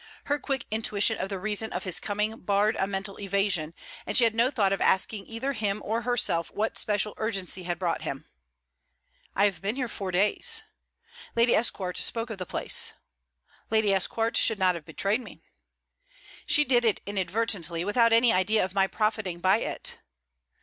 Her quick intuition of the reason of his coming barred a mental evasion, and she had no thought of asking either him or herself what special urgency had brought him. 'I have been here four days.' 'Lady Esquart spoke of the place.' 'Lady Esquart should not have betrayed me.' 'She did it inadvertently, without an idea of my profiting by it.'